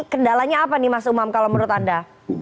kendalanya apa nih mas umam kalau menurut anda